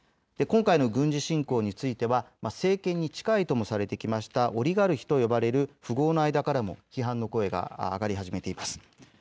今回の軍事侵攻については政権に近いともされてきたオリガルヒと呼ばれる富豪の間からも批判の声が上がり始めています。